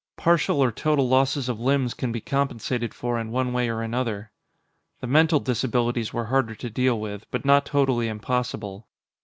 Partial or total losses of limbs can be compensated for in one way or another. The mental disabilities were harder to deal with, but not totally impossible.